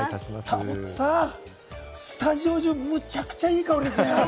スタジオ中、むちゃくちゃいい香りですね！